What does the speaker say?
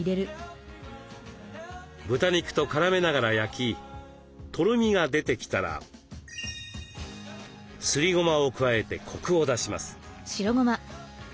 豚肉と絡めながら焼きとろみが出てきたらすりごまを加えてコクを出します。